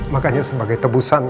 makanya sebagai tebusan